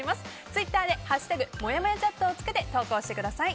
ツイッターで「＃もやもやチャット」をつけて投稿してください。